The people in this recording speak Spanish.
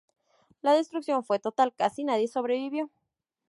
La destrucción fue total, casi nadie sobrevivió.